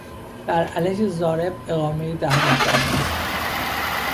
بر علیه ضارب اقامهی دعوی کردن